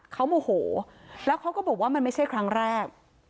เขาโมโหแล้วเขาก็บอกว่ามันไม่ใช่ครั้งแรก